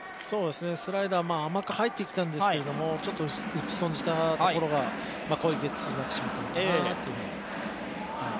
スライダー、甘く入ってきたんですけど、ちょっと打ち損じたところがこういうゲッツーになってしまったのかなというふうに思います。